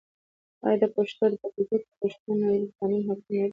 آیا د پښتنو په کلتور کې د پښتونولۍ قانون حاکم نه دی؟